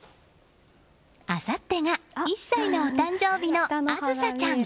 あさってが１歳のお誕生日の梓咲ちゃん。